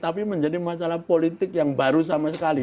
tapi menjadi masalah politik yang baru sama sekali